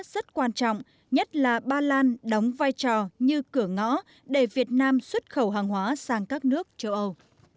rất quan trọng nhất là ba lan đóng vai trò như cửa ngõ để việt nam xuất khẩu hàng hóa sang các nước châu âu